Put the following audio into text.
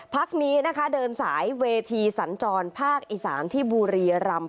พักนี้นะคะเดินสายเวทีสัญจรภาคอีสานที่บุรีรำ